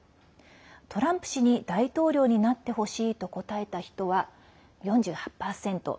トランプ氏に、大統領候補になってほしいと答えた人は４８％。